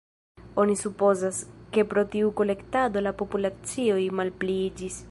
Oni supozas, ke pro tiu kolektado la populacioj malpliiĝis.